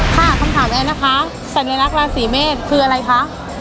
ค่ะคำถามแอร์นะคะสัญลักษณ์ราศีเมษคืออะไรคะ